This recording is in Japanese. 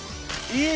いい！